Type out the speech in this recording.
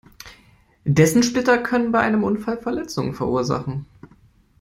Dessen Splitter können bei einem Unfall Verletzungen verursachen.